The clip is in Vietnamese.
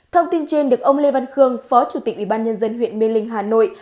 thông tin trên được ông lê văn khương phó chủ tịch ủy ban nhân dân huyện minh linh hà nội